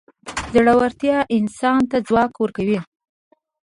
زړورتیا انسان ته ځواک ورکوي.